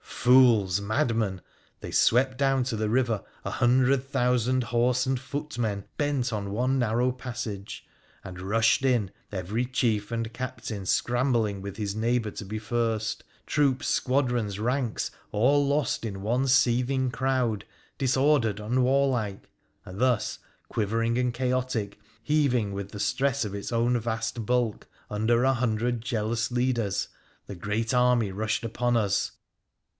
Fools ! Madmen ! They swept down to the river — a hundred thousand horse and foot men bent upon one narrow passage — and rushed in, every chief and captain scrambling with his neighbour to be first troops, squadrons, ranks, all lost in one seething crowd — dis ordered, unwarlike. And thus — quivering and chaotic, heaving with the stress of its own vast bulk — under a hundred jealous leaders, the great army rushed upon us.